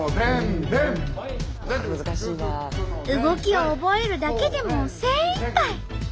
動きを覚えるだけでも精いっぱい。